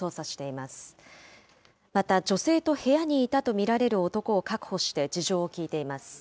また女性と部屋にいたと見られる男を確保して事情を聴いています。